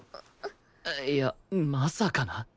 いやまさかな